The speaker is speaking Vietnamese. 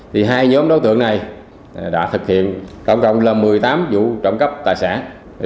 thì hai nhóm đối tượng này đã thực hiện cộng đồng là một mươi tám vụ trộm cắp tài sản